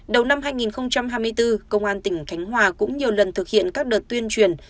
đầu năm hai nghìn hai mươi bốn công an tỉnh khánh hòa cũng nhiều lần thực hiện các đợt tuyên truyền